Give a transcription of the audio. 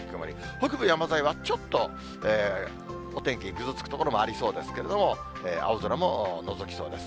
北部山沿いは、ちょっとお天気ぐずつく所もありそうですけど、青空ものぞきそうです。